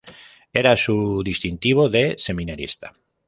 Era su distintivo de seminarista.